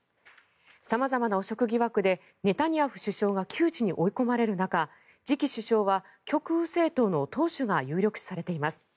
様々な汚職疑惑でネタニヤフ首相が窮地に追い込まれる中次期首相は極右政党の党首が有力視されています。